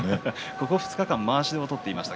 ここ２日間まわしを取っていました。